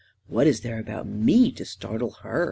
44 What is there about me to startle her?